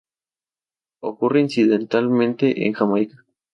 Ocurre incidentalmente en Jamaica.